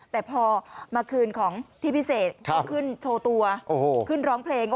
แต่พอมาคืนของที่พิเศษก็ขึ้นโชว์ตัวขึ้นร้องเพลง